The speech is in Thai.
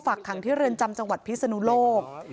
ขังที่เรือนจำจังหวัดพิศนุโลก